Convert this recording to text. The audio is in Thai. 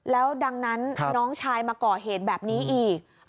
แล้วดังนั้นน้องชายมาก่อเหตุแบบนี้อีก